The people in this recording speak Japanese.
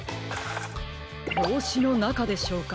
ぼうしのなかでしょうか。